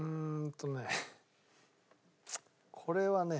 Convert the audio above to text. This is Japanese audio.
これはね。